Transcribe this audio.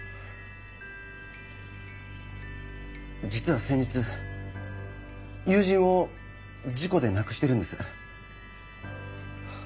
実は先日友人を事故で亡くしてるんです。